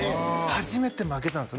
初めて負けたんです